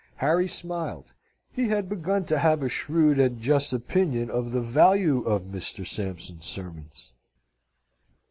Harry smiled. He had begun to have a shrewd and just opinion of the value of Mr. Sampson's sermons.